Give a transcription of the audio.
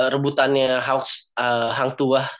rebutannya hawks hang tuah